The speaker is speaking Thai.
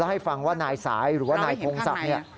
ให้ฟังว่านายสายหรือว่านายพงศักดิ์เนี่ย